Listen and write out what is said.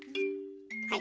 はい。